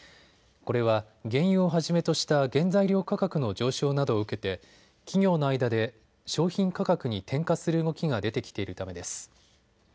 これは原油をはじめとした原材料価格の上昇などを受けて企業の間で商品価格に転嫁する動きが出てきているためです。